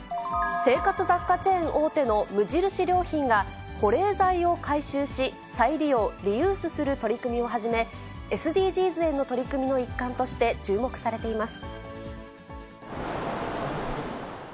生活雑貨チェーン大手の無印良品が、保冷剤を回収し、再利用・リユースする取り組みを始め、ＳＤＧｓへの取り組みの一環として注目されています。